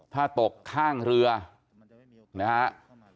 ถ้าตกข้างเรือนะครับ